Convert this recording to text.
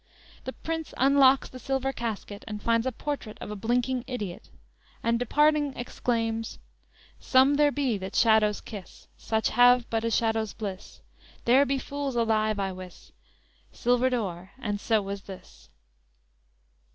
The Prince unlocks the silver casket, and finds a portrait of a blinking idiot; and departing exclaims: _"Some there be that shadows kiss, Such have but a shadow's bliss; There be fools alive I wis Silvered o'er, and so was this!"